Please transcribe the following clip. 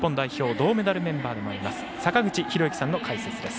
銅メダルメンバーでもあります坂口裕之さんの解説です。